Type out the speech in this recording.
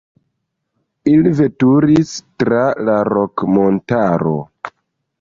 Ili veturis tra la Rok-montaro.